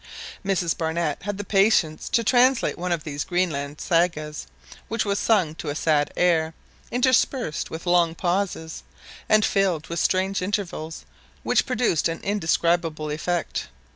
Mrs Barnett had the patience to translate one of these Greenland sagas, which was sung to a sad air, interspersed with long pauses, and filled with strange intervals, which produced an indescribable effect.